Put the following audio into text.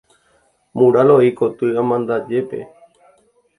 Mural oĩ koty amandajépe.